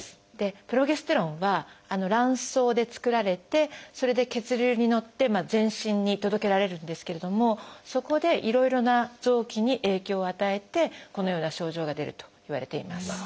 プロゲステロンは卵巣で作られてそれで血流に乗って全身に届けられるんですけれどもそこでいろいろな臓器に影響を与えてこのような症状が出るといわれています。